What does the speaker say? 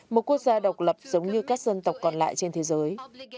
một quốc gia độc lập giống như các dân tộc còn lại trên thế giới